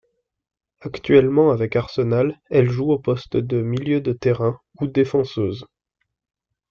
Actuellement avec Arsenal, elle joue au poste de milieu de terrain ou défenseuse.